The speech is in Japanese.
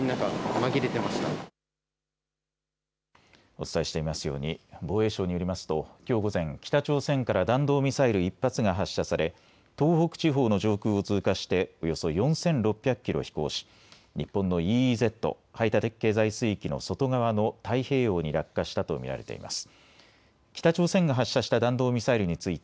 お伝えしていますように、防衛省によりますと、きょう午前、北朝鮮から弾道ミサイル１発が発射され、東北地方の上空を通過して、およそ４６００キロ飛行し、日本のＥＥＺ・排他的経済水域の外側の太平洋に落下したと見られています。